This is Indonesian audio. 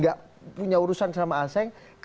gak punya urusan sama aseng